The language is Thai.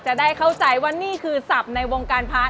จะได้เข้าใจว่านี่คือศัพท์ในวงการพระ